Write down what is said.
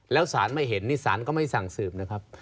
แล้วสารไม่เห็นนี่สารก็ไม่สั่งสืบนะครับ